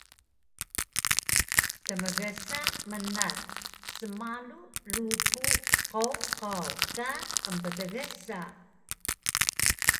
tmgsa mnan smalu lubug qowqaw ka emptgsa